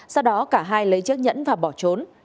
sau đó cả hai lấy chiếc nhẫn và bỏ trốn